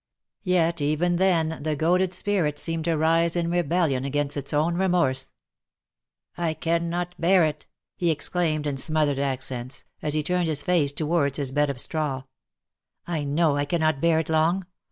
Yet even then the goaded spirit seemed to rise in rebellion against its own remorse. "I cannot bear it!" he exclaimed in smothered accents, as he 286 THE LIFE AND ADVENTURES turned his face towards his bed of straw. " I know I cannot bear it long